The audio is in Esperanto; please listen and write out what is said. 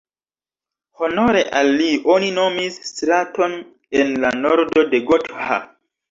Honore al li oni nomis straton en la nordo de Gotha.